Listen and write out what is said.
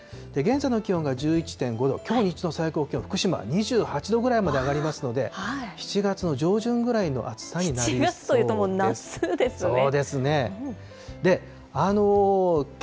現在の気温が１１．５度、きょう日中の最高気温、福島は２８度ぐらいまで上がりますので、７月の７月というと、もう夏ですね。